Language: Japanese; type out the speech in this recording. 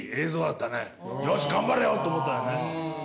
茲頑張れよ！と思ったよね。